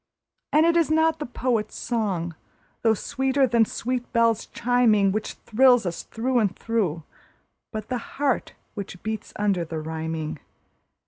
And it is not the poet's song, though sweeter than sweet bells chiming, Which thrills us through and through, but the heart which beats under the rhyming.